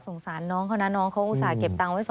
สงสารน้องเขานะน้องเขาอุตส่าหเก็บตังค์ไว้